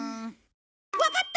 わかった！